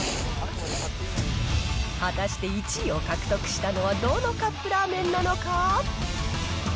果たして１位を獲得したのはどのカップラーメンなのか。